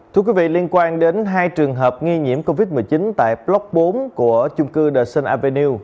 thưa quý vị liên quan đến hai trường hợp nghi nhiễm covid một mươi chín tại block bốn của chung cư the avenu